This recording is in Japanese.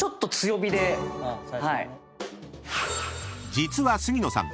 ［実は杉野さん